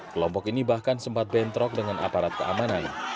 kelompok ini bahkan sempat bentrok dengan aparat keamanan